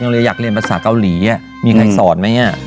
อย่างเลยอยากเรียนภาษากาหลีอ่ะมีใครสอนไหมเนี้ย